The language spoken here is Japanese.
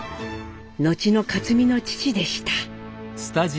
後の克実の父でした。